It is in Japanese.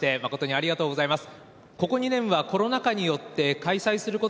ありがとうございます。